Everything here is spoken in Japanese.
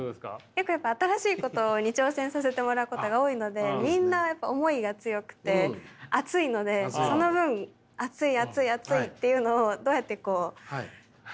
よくやっぱ新しいことに挑戦させてもらうことが多いのでみんなやっぱ思いが強くて熱いのでその分熱い熱い熱いっていうのをどうやってこう丸く。